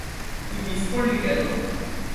তুই মিস করলি কেন?